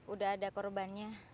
udah ada korbannya